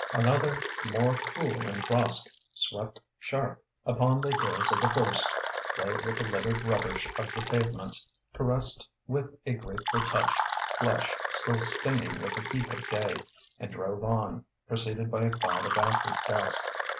Another, more cool and brusque, swept sharp upon the heels of the first, played with the littered rubbish of the pavements, caressed with a grateful touch flesh still stinging with the heat of day, and drove on, preceded by a cloud of acrid dust.